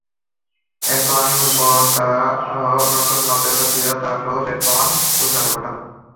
এখন বরং তারা আরও নতুন মাত্রায় সক্রিয়, যার সর্বশেষ প্রমাণ গুলশানের ঘটনা।